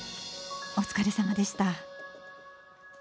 お疲れさまでした！